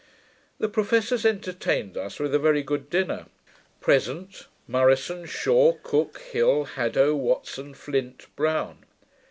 The professors entertained us with a very good dinner. Present: Murison, Shaw, Cooke, Hill, Haddo, Watson, Flint, Brown.